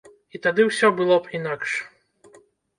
І тады ўсё было б інакш.